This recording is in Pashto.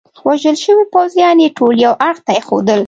وژل شوي پوځیان يې ټول یوه اړخ ته ایښودل.